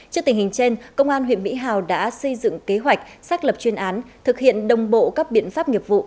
trước tình hình trên công an huyện mỹ hào đã xây dựng kế hoạch xác lập chuyên án thực hiện đồng bộ các biện pháp nghiệp vụ